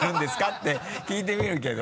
って聞いてみるけど。